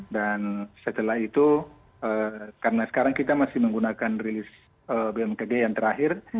dan setelah itu karena sekarang kita masih menggunakan rilis bmkg yang terakhir